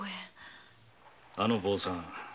あの坊さん